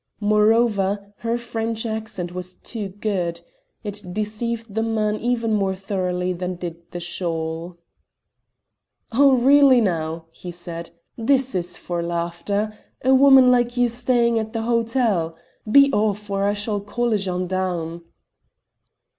Moreover, her French accent was too good. It deceived the man even more thoroughly than did the shawl. "Oh, really now," he said, "this is for laughter! A woman like you staying at the hotel! Be off, or I will call a gendarme."